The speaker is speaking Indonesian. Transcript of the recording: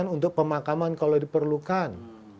untuk pemakaman kalau diperlukan